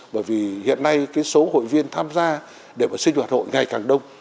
bởi vì hiện nay cái số hội viên tham gia để sinh hoạt hội ngày càng đông